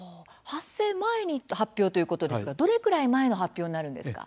発生前に発表ということですが、どれくらい前の発表になるんですか？